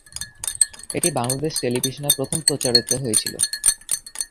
এটি বাংলাদেশ টেলিভিশনে প্রথম প্রচারিত হয়েছিল।